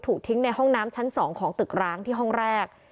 ทิ้งในห้องน้ำชั้น๒ของตึกร้างที่ห้องแรก